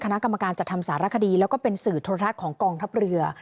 คณะกรรมการจัดทำสารคดีแล้วก็เป็นสื่อโทรทัศน์ของกองทัพเรือ